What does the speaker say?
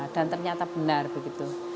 dan ternyata benar begitu